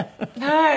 はい。